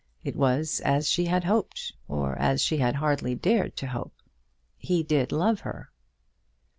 It was as she had hoped, or as she had hardly dared to hope. He did love her.